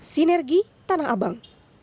sinergi tanah abang